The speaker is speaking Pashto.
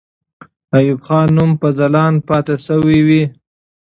د ایوب خان نوم به ځلانده پاتې سوی وي.